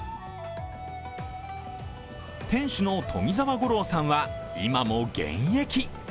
店主の富澤五郎さんは今も現役。